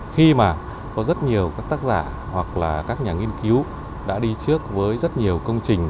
khi mà có rất nhiều các tác giả hoặc là các nhà nghiên cứu đã đi trước với rất nhiều công trình